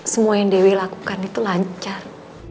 semua yang dewi lakukan itu lancar